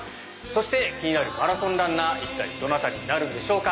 そして気になるマラソンランナー一体どなたになるんでしょうか？